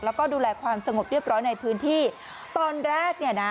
แล้วก็ดูแลความสงบเรียบร้อยในพื้นที่ตอนแรกเนี่ยนะ